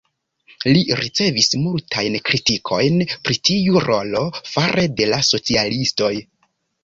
Li ricevis multajn kritikojn pri tiu rolo fare de la socialistoj.